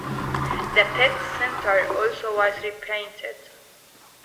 The Pitt Center also was re-painted.